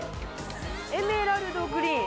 エメラルドグリーン。